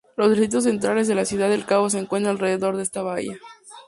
Los distritos centrales de Ciudad del Cabo se encuentran alrededor de esta bahía.